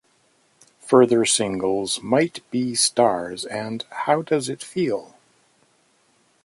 Further singles "Might Be Stars" and "How Does It Feel?